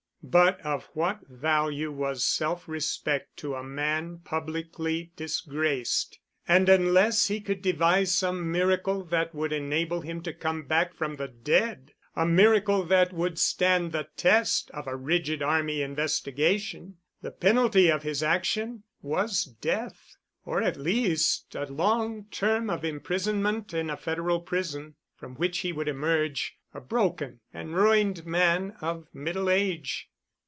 But of what value was self respect to a man publicly disgraced? And unless he could devise some miracle that would enable him to come back from the dead, a miracle that would stand the test of a rigid army investigation, the penalty of his action was death—or at the least a long term of imprisonment in a Federal prison, from which he would emerge a broken and ruined man of middle age.